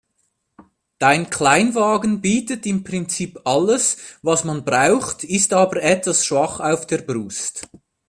Dein Kleinwagen bietet im Prinzip alles, was man braucht, ist aber etwas schwach auf der Brust.